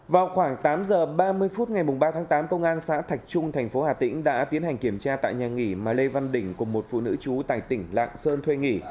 vào khoảng tám h ba mươi phút ngày ba tháng tám công an xã thạch trung thành phố hà tĩnh đã tiến hành kiểm tra tại nhà nghỉ mà lê văn đỉnh cùng một phụ nữ trú tại tỉnh lạng sơn thuê nghỉ